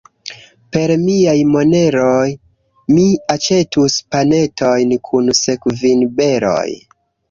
Per miaj moneroj mi aĉetus panetojn kun sekvinberoj.